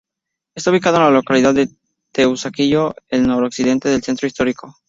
Está ubicada en la localidad de Teusaquillo, al noroccidente del centro histórico.